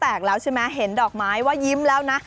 แล้วใช่ไหมเห็นดอกไม้ว่ายิ้มแล้วนะ